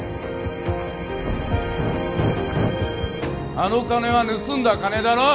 あの金は盗んだ金だろ？